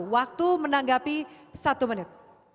waktu menanggapi satu menit